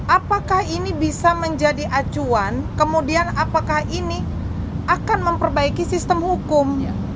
apakah ini bisa menjadi acuan kemudian apakah ini akan memperbaiki sistem hukum